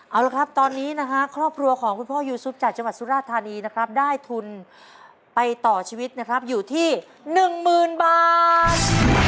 เอาละครับตอนนี้นะฮะครอบครัวของคุณพ่อยูซุปจากจังหวัดสุราธานีนะครับได้ทุนไปต่อชีวิตนะครับอยู่ที่๑๐๐๐บาท